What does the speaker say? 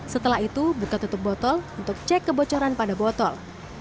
setelah itu buka tutup botol untuk cek kebocoran pada botol